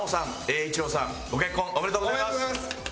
エイイチロウさんご結婚おめでとうございます。